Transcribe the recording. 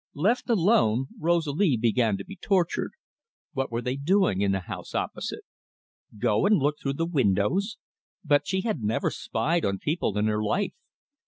Left alone, Rosalie began to be tortured. What were they doing in the house opposite? Go and look through the windows? But she had never spied on people in her life!